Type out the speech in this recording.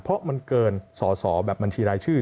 เพราะมันเกินสอสอแบบบัญชีรายชื่อ